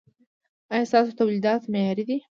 ایا ستاسو تولیدات معیاري دي؟